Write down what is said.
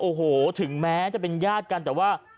โอ้โหถึงแม้จะเป็นญาติกันแต่ว่า